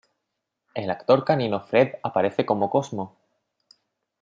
El actor canino Fred aparece como Cosmo.